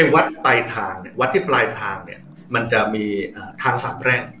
วัดใต้ทางวัดที่ปลายทางมันจะมีทางสามแรง